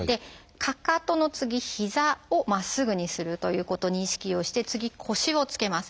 かかとの次膝をまっすぐにするということに意識をして次腰をつけます。